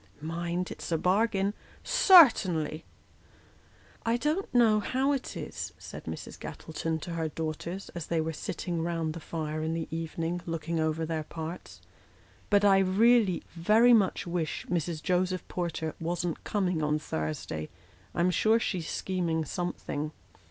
" Mind, it's a bargain." " Certainly." " I don't know how it is," said Mrs. Gattleton to her daughters, as they were sitting round the fire in the evening, looking over their parts, " but I really very much wish Mrs. Joseph Porter wasn't coming on Thursday. I am sure she's scheming something."